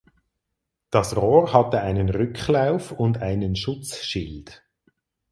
Das Rohr hatte einen Rücklauf und einen Schutzschild.